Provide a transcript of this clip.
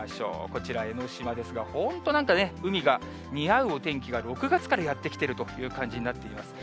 こちら、江の島ですが、本当、なんかね、海が似合うお天気が、６月からやってきているという感じになっています。